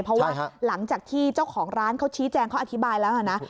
เพราะว่าหลังจากที่เจ้าของร้านเขาชี้แจงเขาอธิบายแล้วนะ